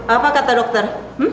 apa kata dokter